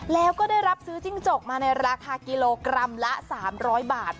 แล้วก็ได้รับซื้อจิ้งจกมาในราคากิโลกรัมละ๓๐๐บาท